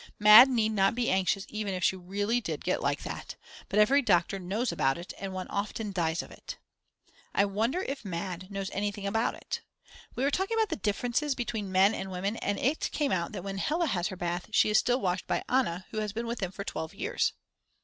Mad. need not be anxious even if she really did get like that. But every doctor knows about it and one often dies of it. I wonder if Mad. knows anything about it. We were talking about the differences between men and women, and it came out that when Hella has her bath she is still washed by Anna who has been with them for 12 years.